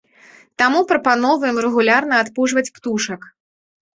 Таму прапаноўваем рэгулярна адпужваць птушак.